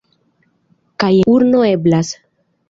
Kaj en urno eblas!